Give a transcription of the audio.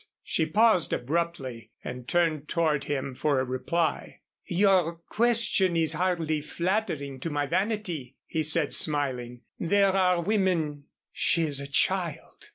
She paused abruptly and turned toward him for a reply. "Your question is hardly flattering to my vanity," he said, smiling. "There are women " "She is a child."